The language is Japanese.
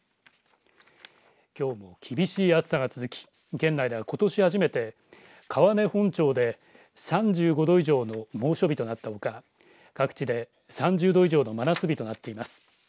きょうも厳しい暑さが続き県内では、ことし初めて川根本町で３５度以上の猛暑日となったほか各地で３０度以上の真夏日となっています。